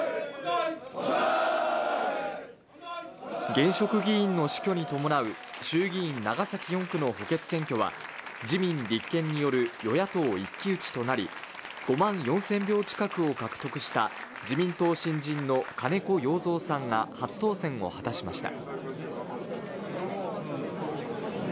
現職議員の死去に伴う衆議院長崎４区の補欠選挙は、自民・立憲による与野党一騎打ちとなり、５万４０００票近くを獲得した自民党新人の金子容三さんが初当選を果たしました。